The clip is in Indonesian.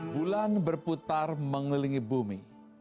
bulan berputar mengelilingi bumi